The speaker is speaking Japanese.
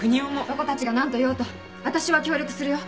男たちが何と言おうとわたしは協力するよ。